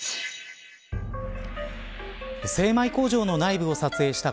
精米工場の内部を撮影した